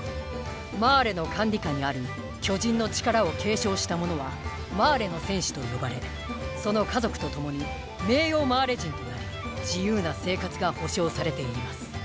マーレの管理下にある「巨人の力」を継承した者は「マーレの戦士」と呼ばれその家族と共に「名誉マーレ人」となり自由な生活が保証されています。